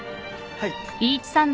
はい。